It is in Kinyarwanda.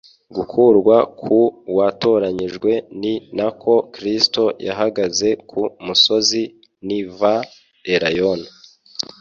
gukurwa ku watoranyijwe; ni na ko Kristo yahagaze ku musozi Nva Elayono